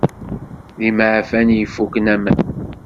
D imeɛfan i ifuken aman.